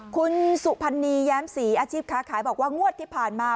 คุณสุพรรณีแย้มศรีอาชีพค้าขายบอกว่างวดที่ผ่านมา